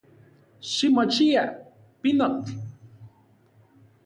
Ximochia, pinotl.